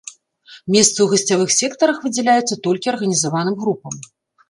Месцы ў гасцявых сектарах выдзяляюцца толькі арганізаваным групам.